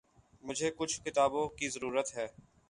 مجھے کچھ کتابوں کی ضرورت ہے۔